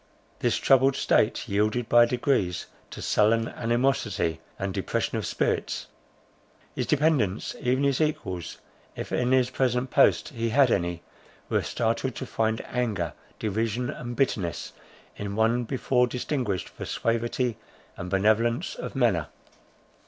This troubled state yielded by degrees, to sullen animosity, and depression of spirits. His dependants, even his equals, if in his present post he had any, were startled to find anger, derision, and bitterness in one, before distinguished for suavity and benevolence of manner.